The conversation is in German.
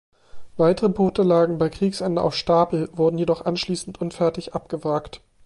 Weitere Boote lagen bei Kriegsende auf Stapel, wurden jedoch anschließend unfertig abgewrackt.